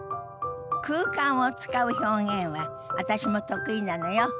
空間を使う表現は私も得意なのよ。